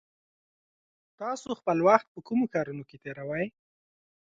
تاسې خپل وخت په کومو کارونو کې تېروئ؟